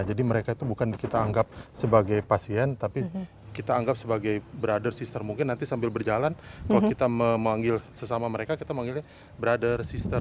jadi mereka itu bukan kita anggap sebagai pasien tapi kita anggap sebagai brother sister mungkin nanti sambil berjalan kalau kita memanggil sesama mereka kita memanggilnya brother sister